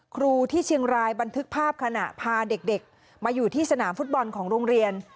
ครูที่เชียงรายบันทึกภาพขณะพาเด็กมาอยู่ที่สนามฟุตบอลของโรงเรียน